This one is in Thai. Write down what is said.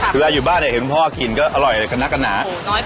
ตรงอยู่บ้านเห็นพ่อกินก็เอาร้อยหนักกันหนา